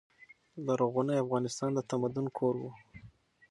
لرغونی افغانستان د تمدن کور و.